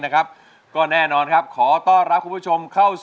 เพื่อให้ล้านลูกทุ่งสู่ชีวิต